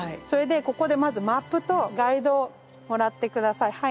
それでここでまずマップとガイドをもらって下さい。